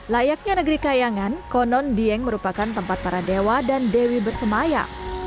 layaknya negeri kayangan konon dieng merupakan tempat para dewa dan dewi bersemayam